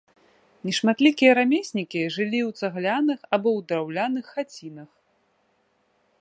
Нешматлікія рамеснікі жылі ў цагляных або драўляных хацінах.